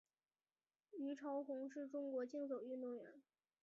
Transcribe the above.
虞朝鸿是中国竞走运动员。